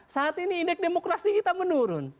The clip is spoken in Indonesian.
saat ini indeks demokrasi kita menurun